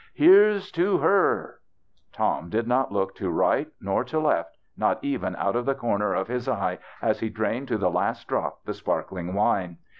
" Here's to her 1 " Tom did not look to right nor to left, not even out of the corner of his eye, as he drained to the last drop the sparkling wine.